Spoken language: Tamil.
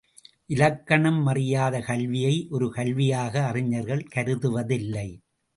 இலக்கணம் அறியாத கல்வியை ஒரு கல்வியாக அறிஞர்கள் கருதுவதில்லை.